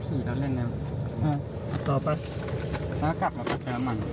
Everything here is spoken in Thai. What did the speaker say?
ขี่แล้วเล่นเนี้ยอ่าต่อไปถ้ากลับแล้วกลับตัวน้ำมัน